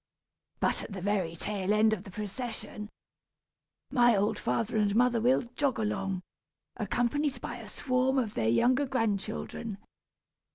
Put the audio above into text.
But at the very tail end of the procession, my old father and mother will jog along, accompanied by a swarm of their younger grandchildren.